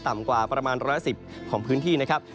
ต่ำกว่าประมาณ๑๑๐ของพื้นที่นะครับ